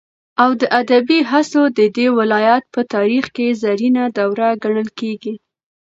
او د ادبي هڅو ددې ولايت په تاريخ كې زرينه دوره گڼل كېږي.